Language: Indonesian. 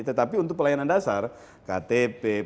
tetapi untuk pelayanan dasar ktp pelayanan terpadu satu pihak